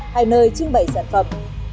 hay nơi trưng bày sản phẩm